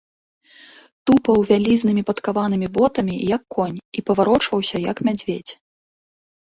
Тупаў вялізнымі падкаванымі ботамі, як конь, і паварочваўся, як мядзведзь.